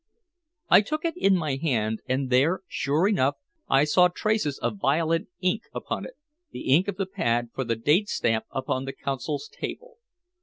I took it in my hand, and there, sure enough, I saw traces of violet ink upon it the ink of the pad for the date stamp upon the Consul's table.